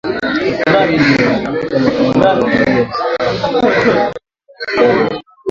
Watu kumi wamefikishwa mahakamani kwa kuwauzia silaha wanamgambo huko Jamhuri ya Kidemokrasia ya Kongo